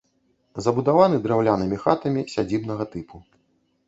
Забудаваны драўлянымі хатамі сядзібнага тыпу.